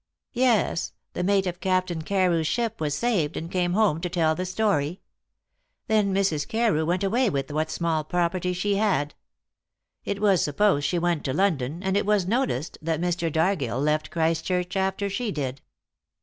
"Yes; the mate of Captain Carew's ship was saved, and came home to tell the story. Then Mrs. Carew went away with what small property she had. It was supposed she went to London, and it was noticed that Mr. Dargill left Christchurch after she did.